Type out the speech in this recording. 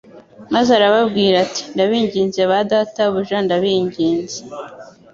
maze arababwira ati: «ndabinginze ba databuja ndabiginze,